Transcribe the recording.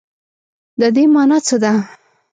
د دې مانا څه ده ؟